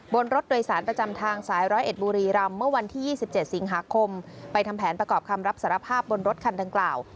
บนรถโดยสารประจำทางสาย๑๐๑บุรีรำเมื่อวันที่๒๗สิงหาคมไปทำแผนประกอบคำรับสารภาพบนรถคันดังกล่าว